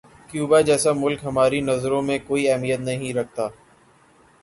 Cuba جیسا ملک ہماری نظروں میں کوئی اہمیت نہیں رکھتا۔